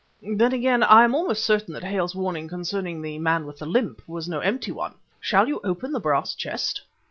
"Then again, I am almost certain that Hale's warning concerning 'the man with the limp' was no empty one. Shall you open the brass chest?"